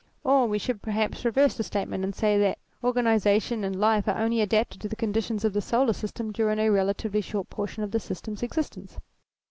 Or we should perhaps reverse the statement, and say that organiza tion and life are only adapted to the conditions of the solar system during a relatively short portion of the system's existence.